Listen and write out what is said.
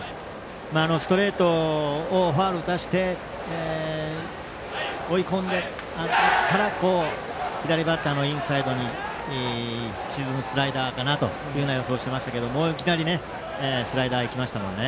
ストレートをファウル打たせて追い込んでから左バッターのインサイドに沈むスライダーかなという予想をしていましたけどもいきなりスライダーいきました。